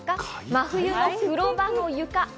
Ａ、真冬の風呂場の床。